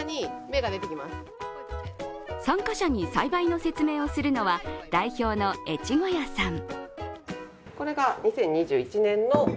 参加者に栽培の説明をするのは、代表者の越後屋さん。